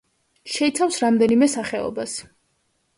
შეიცავს რამდენიმე სახეობას.